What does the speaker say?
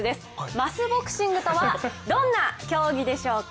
マスボクシングとはどんな競技でしょうか？